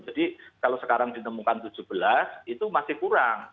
jadi kalau sekarang ditemukan tujuh belas itu masih kurang